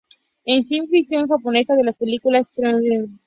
E. Smith, y la ficción japonesa de las películas "tokusatsu".